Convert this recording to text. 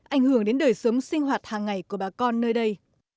ảnh hưởng đến đời sống sinh hoạt hàng ngày của bà con nơi đây